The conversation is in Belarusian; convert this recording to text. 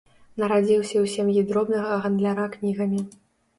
Нарадзіўся ў сям'і дробнага гандляра кнігамі.